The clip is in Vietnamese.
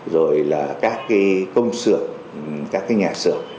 rồi là các cái công sửa các cái nhà sửa